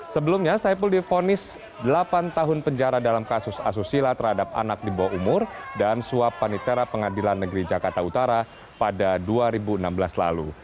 sebelumnya saipul difonis delapan tahun penjara dalam kasus asusila terhadap anak di bawah umur dan suap panitera pengadilan negeri jakarta utara pada dua ribu enam belas lalu